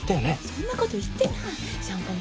そんなこと言ってない。